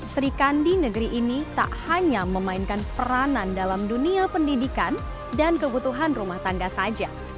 serikandi negeri ini tak hanya memainkan peranan dalam dunia pendidikan dan kebutuhan rumah tangga saja